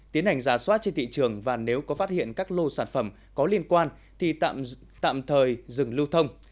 tiến hành giả soát trên thị trường và nếu có phát hiện các lô sản phẩm có liên quan thì tạm thời dừng lưu thông